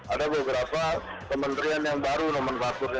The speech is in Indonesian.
ada beberapa kementerian yang baru nomenklaturnya